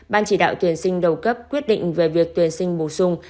ban chỉ đạo tuyển sinh đầu cấp quyết định về việc tuyển sinh bổ sung